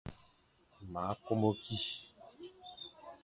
Ma kumu ki.